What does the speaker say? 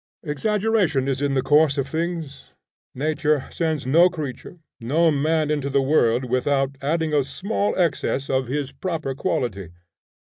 Exaggeration is in the course of things. Nature sends no creature, no man into the world without adding a small excess of his proper quality.